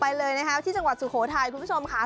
ไปเลยนะคะที่จังหวัดสุโขทัยคุณผู้ชมค่ะ